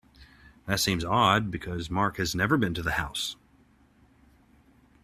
That seems odd because Mark has never been to the house.